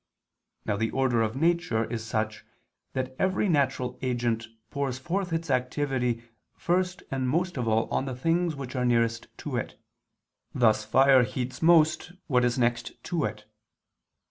Now the order of nature is such that every natural agent pours forth its activity first and most of all on the things which are nearest to it: thus fire heats most what is next to it.